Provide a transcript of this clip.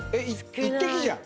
１滴じゃん。